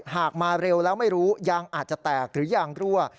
หากมาเร็วแล้วไม่รู้ยางอาจจะแตกหรือยางรั่ว